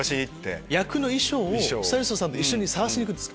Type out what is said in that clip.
役の衣装をスタイリストさんと一緒に探しにいくんですか。